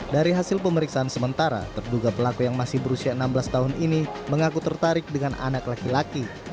dari hasil pemeriksaan sementara terduga pelaku yang masih berusia enam belas tahun ini mengaku tertarik dengan anak laki laki